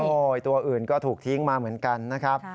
โอ้โหตัวอื่นก็ถูกทิ้งมาเหมือนกันนะครับ